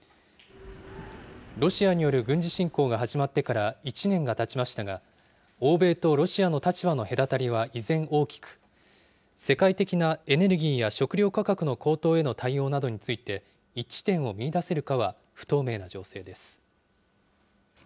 ロシアによる軍事侵攻が始まってから１年がたちましたが、欧米とロシアの立場の隔たりは依然大きく、世界的なエネルギーや食料価格の高騰への対応などについて一致点を見いだせるかは不透明な情勢です。